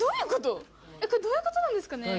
これどういうことなんですかね？